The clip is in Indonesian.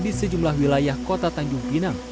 di sejumlah wilayah kota tanjung pinang